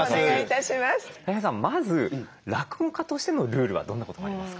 まず落語家としてのルールはどんなことがありますか？